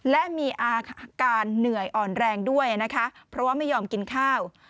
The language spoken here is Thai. และมีอาการเหนื่อยอ่อนแรงด้วยนะคะเพราะว่าไม่ยอมกินข้าว